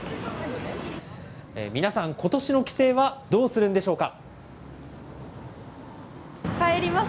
皆さん、ことしの帰省はどうするんでしょうか。